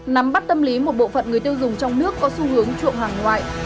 nắm bắt tâm lý một bộ phận người tiêu dùng trong nước có xu hướng chuộng hàng ngoại